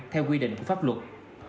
theo quy định của pháp luật